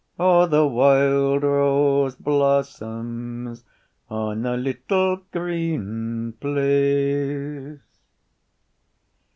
O, the wild rose blossoms On the little green place.